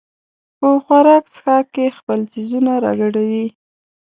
په خوراک څښاک کې خپل څیزونه راګډوي.